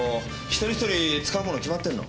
１人１人使うもの決まってんの？